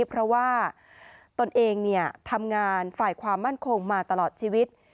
เพราะว่าตนเองทำงานฝ่ายความมั่นคงมาตลอดชีวิต